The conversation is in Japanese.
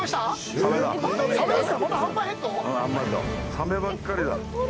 サメばっかりだ。